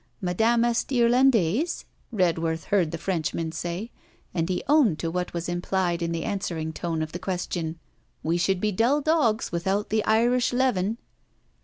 'Madame est Irlandaise?' Redworth heard the Frenchman say, and he owned to what was implied in the answering tone of the question. 'We should be dull dogs without the Irish leaven!'